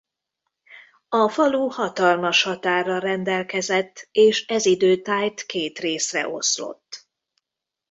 A falu hatalmas határral rendelkezett és ez idő tájt két részre oszlott.